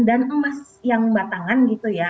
dan emas yang batangan gitu ya